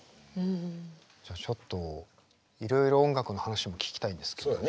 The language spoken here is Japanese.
じゃあちょっといろいろ音楽の話も聞きたいんですけど。